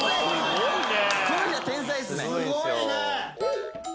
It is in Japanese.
すごいね！